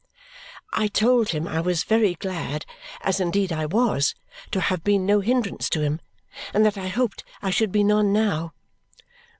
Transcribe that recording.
I told him I was very glad, as indeed I was, to have been no hindrance to him, and that I hoped I should be none now.